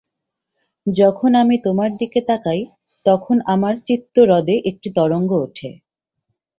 যখন আমি তোমার দিকে তাকাই, তখন আমার চিত্তহ্রদে একটি তরঙ্গ উঠে।